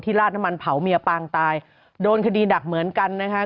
ลาดน้ำมันเผาเมียปางตายโดนคดีดักเหมือนกันนะคะ